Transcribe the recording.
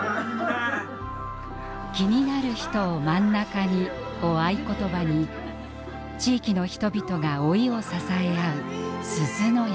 「気になる人を真ん中に」を合言葉に地域の人々が老いを支え合うすずの家。